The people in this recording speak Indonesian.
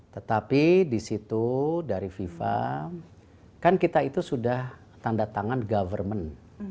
tetapi di situ dari fifa kan kita itu sudah tanda tangan government